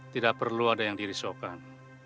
tidak perlu ada yang dirisaukan